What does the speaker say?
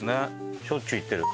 しょっちゅう行ってる。